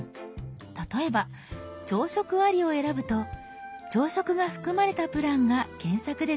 例えば「朝食あり」を選ぶと朝食が含まれたプランが検索で出てきます。